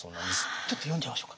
ちょっと読んじゃいましょうか。